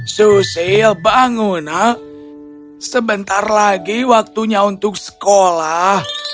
susil bangun nak sebentar lagi waktunya untuk sekolah